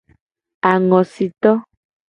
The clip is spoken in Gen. Angosito.